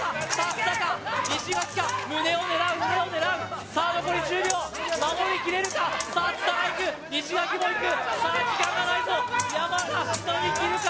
津田か西垣か胸を狙う胸を狙うさあ残り１０秒守りきれるかさあ津田がいく西垣もいくさあ時間がないぞ山田しのぎきるか